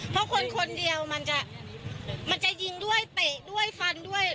เพราะคนคนเดียวมันจะมันจะยิงด้วยเตะด้วยฟันด้วย